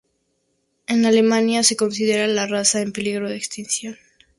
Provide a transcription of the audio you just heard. En Alemania se considera la raza en peligro de extinción.